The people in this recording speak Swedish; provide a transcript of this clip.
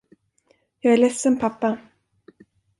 Jag är ledsen, pappa.